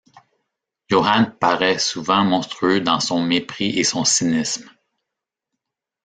Johan paraît souvent monstrueux dans son mépris et son cynisme.